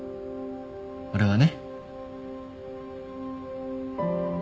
俺はね。